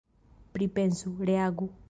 Pripensu, reagu.